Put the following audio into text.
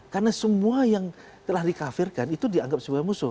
karena semua yang telah dikafirkan itu dianggap sebagai musuh